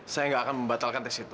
saya nggak akan membatalkan tes itu